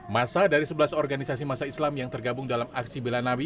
masa dari sebelas organisasi masa islam yang tergabung dalam aksi bela nabi